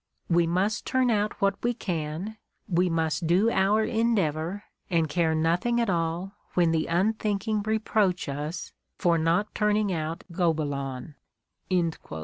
"We must turn out what we can; we must do our endeavor and care nothing at all when the unthinking reproach us for not turning out Gobe lins."